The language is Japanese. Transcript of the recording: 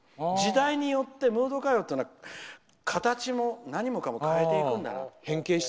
時代によってムード歌謡というのは形も何もかも変えていくんだなって。